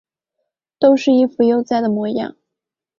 都是一副悠哉的模样